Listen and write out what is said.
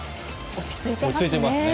落ち着いていますね。